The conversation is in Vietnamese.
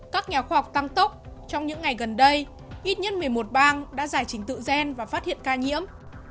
các nhà khoa học tăng tốc trong những ngày gần đây ít nhất một mươi một bang đã giải trình tự gen và phát hiện ca nhiễm